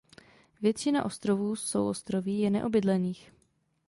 Většina ostrovů souostroví je neobydlených.